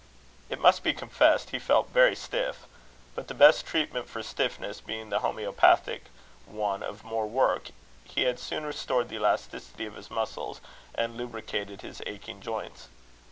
It must be confessed he felt very stiff, but the best treatment for stiffness being the homoeopathic one of more work, he had soon restored the elasticity of his muscles, and lubricated his aching joints.